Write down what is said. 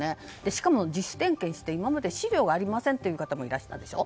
しかも、自主点検して今までは資料もありませんという人もいらしたでしょ。